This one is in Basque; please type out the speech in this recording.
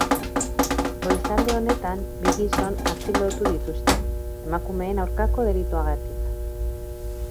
Goizalde honetan bi gizon atxilotu dituzte, emakumeen aurkako delituagatik.